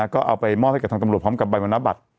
ก็เอาไปรอมอบให้กับทางตำรวจควบความรับบัตร